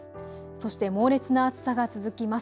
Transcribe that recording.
そして猛烈な暑さが続きます。